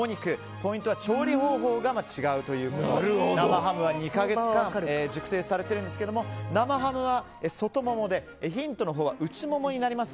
ポイントは調理方法が違うということで生ハムは２か月間熟成されているんですが生ハムは外モモでヒントのほうは内モモになります。